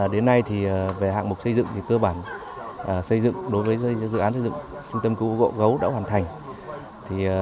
đến nay về hạng mục xây dựng thì cơ bản xây dựng đối với dự án xây dựng trung tâm cứu hộ gấu đã hoàn thành